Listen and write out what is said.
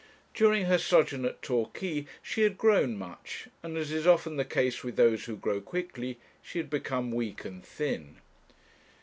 During her sojourn at Torquay she had grown much, and, as is often the case with those who grow quickly, she had become weak and thin.